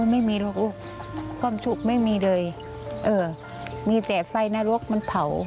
ไม่มีหรอกลูกความสุขไม่มีเลยเออมีแต่ไฟนรกมันเผา